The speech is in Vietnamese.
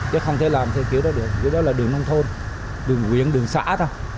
chứ không thể làm theo kiểu đó được cái đó là đường nông thôn đường quyển đường xã thôi